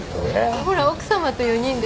ほら奥さまと４人でね？